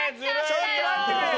ちょっと待ってくれ！